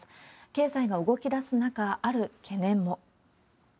経済が動きだす中、ある懸念も。